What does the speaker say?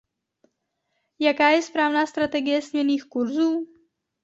Jaká je správná strategie směnných kurzů?